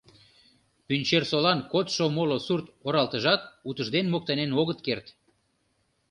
Пӱнчерсолан кодшо моло сурт-оралтыжат утыжден моктанен огыт керт.